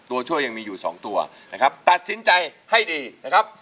ตัวช่วยยังมีอยู่สองตัวนะครับตัดสินใจให้ดีนะครับ